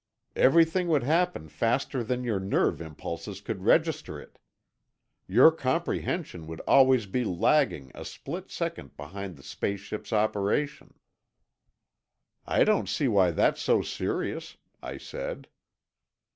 Everything would happen faster than your nerve impulses could register it. Your comprehension would always be lagging a split second behind the space ship's operation." "I don't see why that's so serious," I said.